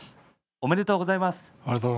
ありがとうございます。